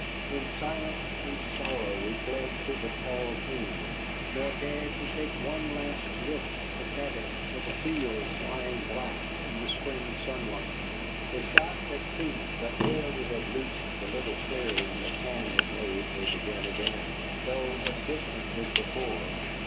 In silence and sorrow we fled through the tall cane, nor dared to take one last look at the cabin, or the fields lying black in the spring sunlight. The shots had ceased, but ere we had reached the little clearing McCann had made they began again, though as distant as before.